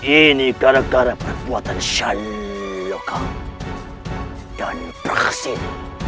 ini gara gara perbuatan shaloka dan praksis